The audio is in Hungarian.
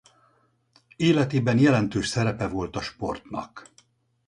Életében jelentős szerepe volt a sportnak.